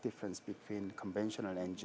dibandingkan dengan perbedaan harga